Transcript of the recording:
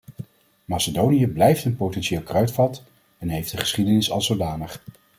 Macedonië blijft een potentieel kruitvat, en heeft een geschiedenis als zodanig.